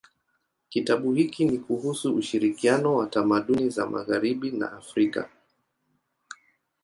Kitabu hiki ni kuhusu ushirikiano wa tamaduni za magharibi na Afrika.